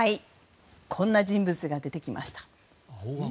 こんな人物が出てきました。